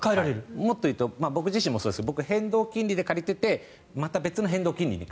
もっと言うと僕自身もそうですけど僕、変動金利で借りていてまた別の変動金利に